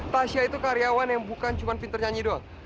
tasya itu karyawan yang bukan cuma pinter nyanyi doang